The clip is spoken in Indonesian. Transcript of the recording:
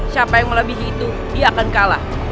siapa yang melebihi itu dia akan kalah